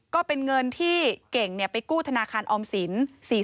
ก็เป็นเงินที่เก่งไปกู้ธนาคารออมสิน